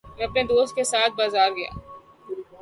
میں اپنے دوست کے ساتھ بازار گیا